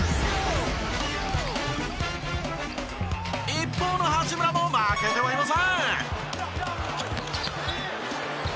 一方の八村も負けてはいません。